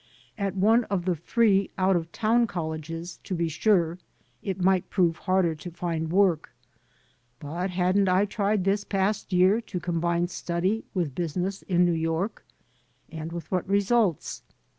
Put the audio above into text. At one of the free .out of town colleges, to be sure, it might prove harder to find work. But hadn't I tried this past year to combine study with business in New York? And with what results?